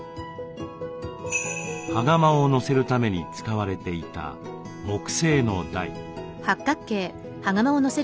羽釜を乗せるために使われていた木製の台。